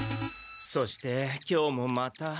そして今日もまた。